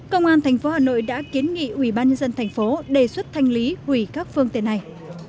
công an thành phố hà nội đã kiến nghị ubnd thành phố đề xuất thanh lý quỷ các phương tiện này